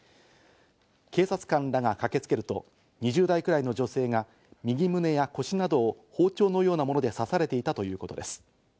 警察官らが駆けつけると、２０代くらいの女性が右胸や腰などを包丁のようなもので刺されていたということです。